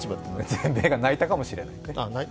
全米が泣いたかもしれない。